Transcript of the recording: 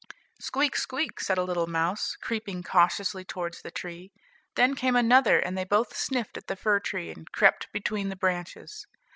"Squeak, squeak," said a little mouse, creeping cautiously towards the tree; then came another; and they both sniffed at the fir tree and crept between the branches.